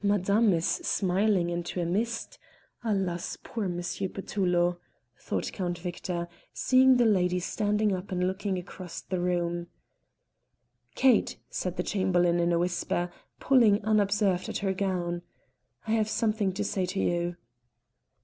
"Madame is smiling into a mist; alas! poor M. Petullo!" thought Count Victor, seeing the lady standing up and looking across the room. "Kate," said the Chamberlain in a whisper, pulling unobserved at her gown, "I have something to say to you."